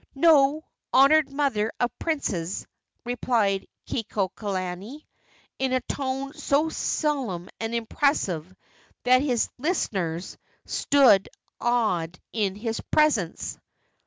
"No, honored mother of princes," replied Kekuaokalani, in a tone so solemn and impressive that his listeners stood awed in his presence.